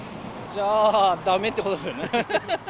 じゃあ、だめってことですよね。